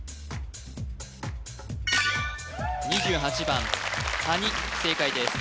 ２８番かに正解です